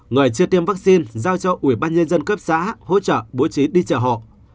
người chưa tiêm vaccine giao cho ubnd cấp xã hỗ trợ bố trí đi chợ họ